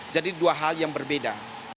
jadi dua hal yang berbeda